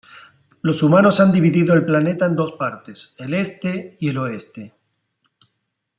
Los humanos han dividido el planeta en dos partes: el Este y el Oeste.